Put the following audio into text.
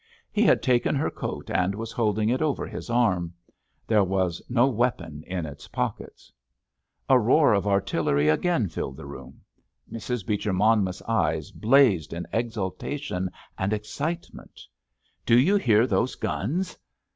He had taken her coat, and was holding it over his arm. There was no weapon in its pockets. A roar of artillery again filled the room. Mrs. Beecher Monmouth's eyes blazed in exaltation and excitement. "Do you hear those guns?"